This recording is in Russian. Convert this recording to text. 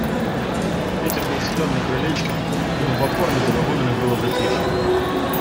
Ветер был силен на крылечке, но на платформе за вагонами было затишье.